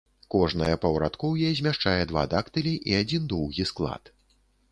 Кожнае паўрадкоўе змяшчае два дактылі і адзін доўгі склад.